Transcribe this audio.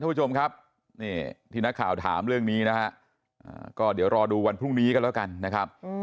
ผู้ชมครับนี่ที่นักข่าวถามเรื่องนี้นะฮะก็เดี๋ยวรอดูวันพรุ่งนี้กันแล้วกันนะครับ